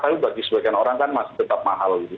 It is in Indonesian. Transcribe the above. tapi bagi sebagian orang kan masih tetap mahal gitu